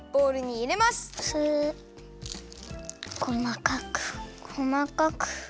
こまかくこまかく。